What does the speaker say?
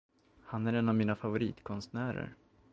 Han är en av mina favoritkonstnärer.